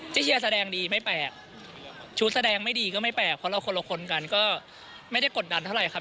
เชียร์แสดงดีไม่แปลกชุดแสดงไม่ดีก็ไม่แปลกเพราะเราคนละคนกันก็ไม่ได้กดดันเท่าไหร่ครับ